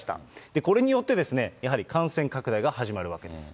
これによってやはり感染拡大が始まるわけです。